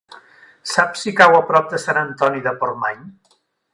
Saps si cau a prop de Sant Antoni de Portmany?